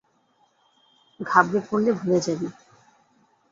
ঘাবড়ে পড়লে ভুলে যাবি।